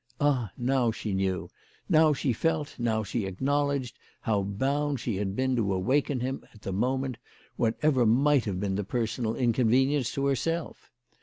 Ah, now she knew, now she felt, now she acknowledged how bound she had been to awaken him at the moment, whatever might have been the personal inconvenience to herself